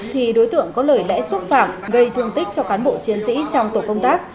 thì đối tượng có lời lẽ xúc phạm gây thương tích cho cán bộ chiến sĩ trong tổ công tác